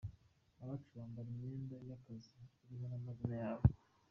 Abacu bambara imyenda y’akazi iriho n’amazina yabo.